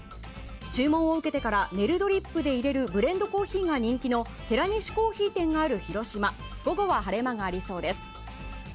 注文を受けてからネルドリップでいれるブレンドコーヒーが人気のてらにし珈琲がある広島は午後は晴れ間がありそうです。